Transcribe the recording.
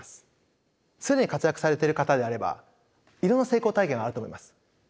既に活躍されている方であればいろんな成功体験があると思います。